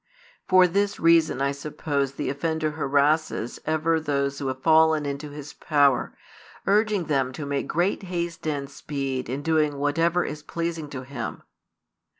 For this reason I suppose the offender harasses ever those who have fallen into his power, urging them to make great haste and speed in doing whatever is pleasing to him.